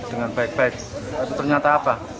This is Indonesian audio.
dengan baik baik atau ternyata apa